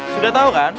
sudah tau kan